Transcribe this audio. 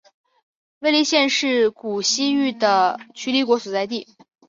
尉犁县是古西域的渠犁国所在地。